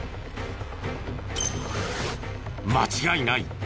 間違いない。